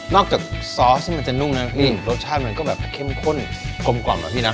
อกจากซอสที่มันจะนุ่มนะพี่รสชาติมันก็แบบเข้มข้นกลมกล่อมอะพี่นะ